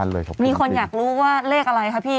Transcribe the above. ชอบคุณครับ